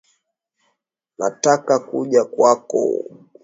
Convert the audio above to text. Nataka kuja kwako